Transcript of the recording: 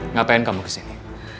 ngapain kamu kesini